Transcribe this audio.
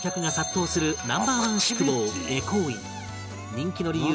人気の理由